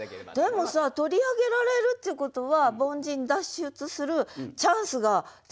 でもさ取り上げられるっていうことは凡人脱出するチャンスが手に入るっていうかさ。